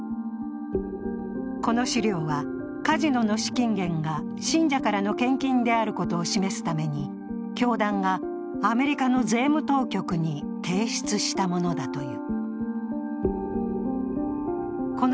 この資料は、カジノの資金源が信者からの献金であることを示すために、教団がアメリカの税務当局に提出したものだという。